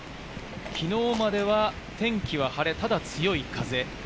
昨日までは天気は晴れ、ただ強い風。